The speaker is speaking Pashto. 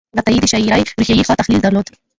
عطایي د شاعرۍ د روحیې ښه تحلیل درلود.